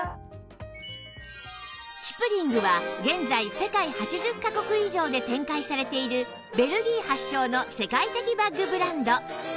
キプリングは現在世界８０カ国以上で展開されているベルギー発祥の世界的バッグブランド